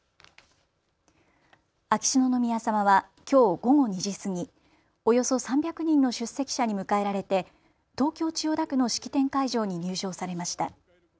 秋篠宮さまはきょう午後２時過ぎ、およそ３００人の出席者に迎えられて東京千代田区の式典会場に入場されました。